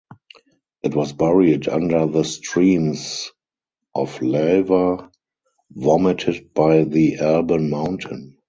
It was buried under the streams of lava vomited by the Alban Mountain.